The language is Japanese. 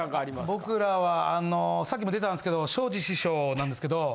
僕らはあのさっきも出たんすけどショージ師匠なんですけど。